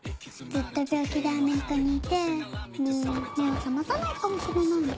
ずっと病気でアメリカにいてもう目を覚まさないかもしれないの。